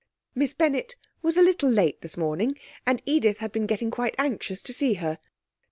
Miss Bennett was a little late this morning, and Edith had been getting quite anxious to see her.